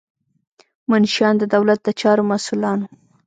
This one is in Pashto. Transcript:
منشیان د دولت د چارو مسؤلان وو.